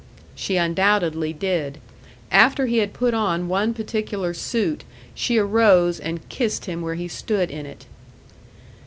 She undoubtedly did. After he had put on one particular suit, she arose and kissed him where he stood in it.